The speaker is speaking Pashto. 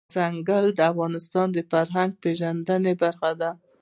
ځنګلونه د افغانانو د فرهنګي پیژندنې برخه ده.